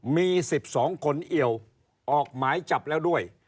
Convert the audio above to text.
มีสิบสองคนเอียวออกหมายจับแล้วด้วย